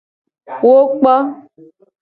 Wo kpo.